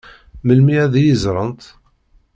Melmi ad iyi-ẓṛent?